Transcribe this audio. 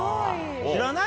知らない？